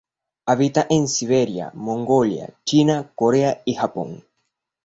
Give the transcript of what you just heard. Habita en Siberia, Mongolia, China, Corea y Japón.